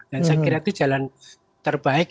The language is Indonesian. dan saya kira itu jalan terbaik